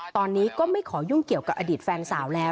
ตอนนี้ก็ไม่ขอยุ่งเกี่ยวกับอดีตแฟนสาวแล้ว